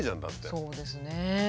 そうですね。